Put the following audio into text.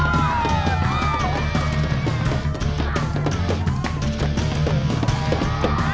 bukakan di sisi tepuk tangan chiw